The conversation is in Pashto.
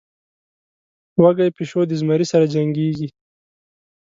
وږى پيشو د زمري سره جنکېږي.